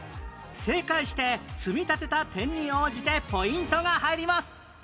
正解して積み立てた点に応じてポイントが入ります